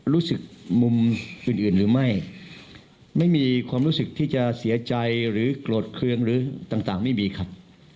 รู้สึกมุมอื่นหรือไม่ไม่มีความรู้สึกที่จะเสียใจหรือโกรธเครื่องหรือต่างไม่มีครับ